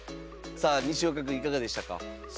さあ西岡くんいかがでしたか。